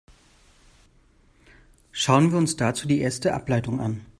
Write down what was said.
Schauen wir uns dazu die erste Ableitung an.